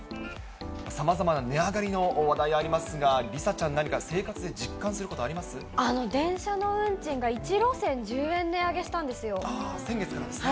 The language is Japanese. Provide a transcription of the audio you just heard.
さまざまな値上がりの話題ありますが、梨紗ちゃん、何か生活で実電車の運賃が１路線１０円値先月からですね。